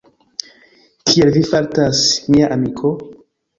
Kiel vi fartas, mia amiko?